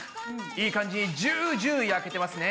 いい感じにジュージュー焼けてますね。